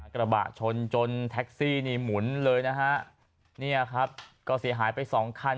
กระบะชนจนแท็กซี้มุนเลยนะฮะนะครับก็เสียหายไป๒คัน